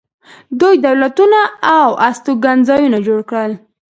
دوی دولتونه او استوګنځایونه جوړ کړل.